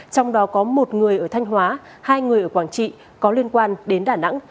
trong đó có một người ở thanh hóa hai người ở quảng trị có liên quan đến đà nẵng